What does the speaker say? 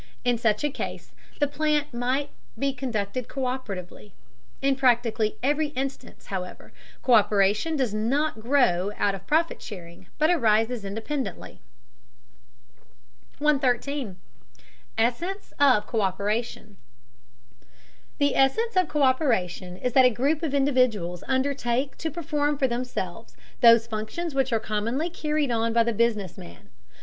In such a case the plant might be conducted co÷peratively. In practically every instance, however, co÷peration does not grow out of profit sharing, but arises independently. 113. ESSENCE OF COÍPERATION. The essence of co÷peration is that a group of individuals undertake to perform for themselves those functions which are commonly carried on by the business man.